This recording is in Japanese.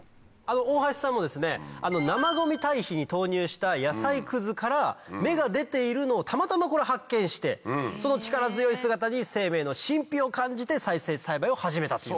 大橋さんもですね生ごみ堆肥に投入した野菜くずから芽が出ているのをたまたま発見してその力強い姿に生命の神秘を感じて再生栽培を始めたという。